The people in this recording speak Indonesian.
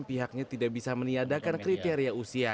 pihaknya tidak bisa meniadakan kriteria usia